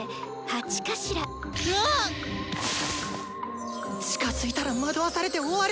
心の声近づいたら惑わされて終わる！